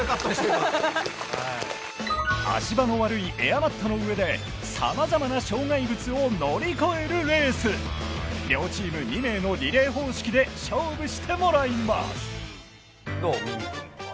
今足場の悪いエアマットの上で様々な障害物を乗り越えるレース両チーム２名のリレー方式で勝負してもらいます